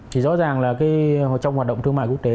thì rõ ràng là trong hoạt động thương mại quốc tế